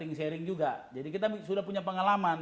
yang sharing juga jadi kita sudah punya pengalaman